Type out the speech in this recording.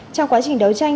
trong quá trình đấu tranh